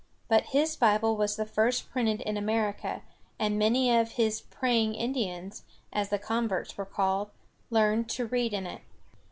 But his Bible was the first printed in America, and many of his "praying Indians," as the converts were called, learned to read in it.